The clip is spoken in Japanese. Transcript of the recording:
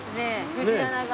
藤棚が。